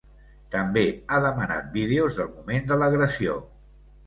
També ha demanat vídeos del moment de l’agressió.